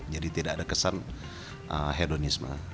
jadi tidak ada kesan hedonisme